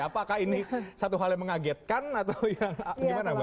apakah ini satu hal yang mengagetkan atau yang gimana